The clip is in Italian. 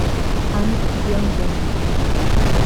An Byong-jun